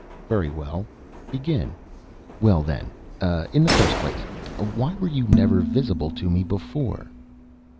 "Very well. Begin." "Well, then, in the first place, why were you never visible to me before?"